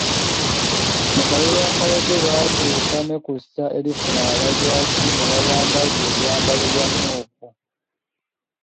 Mu kalulu akawedde baatuuka ne kussa erifuna abajaasi ne babambaza ebyambalo bya Nuupu.